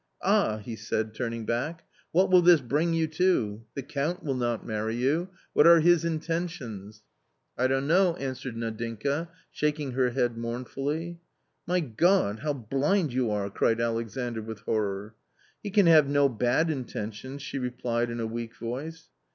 " Ah," he said, turning back, " what will this bring you to ? The Count will not marry you ; what are his inten tions ?"" I don't know !" answered Nadinka, shaking her head mournfully. " My God ! how blind you are !" cried Alexandr with horror. " He can have no bad intentions," she replied in a weak voice.